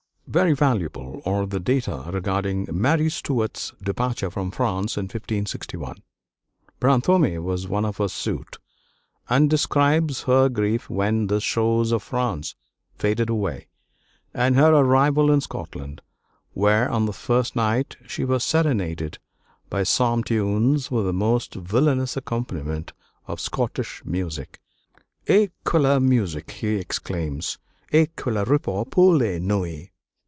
Very valuable are the data regarding Mary Stuart's departure from France in 1561. Brantôme was one of her suite, and describes her grief when the shores of France faded away, and her arrival in Scotland, where on the first night she was serenaded by Psalm tunes with a most villainous accompaniment of Scotch music. "Hé! quelle musique!" he exclaims, "et quel repos pour la nuit!"